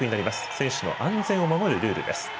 選手の安全を守るルールです。